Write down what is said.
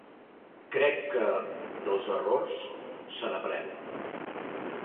Crec que, dels errors, se n’aprèn.